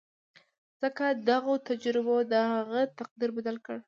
ځکه دغو تجربو د هغه تقدير بدل کړ.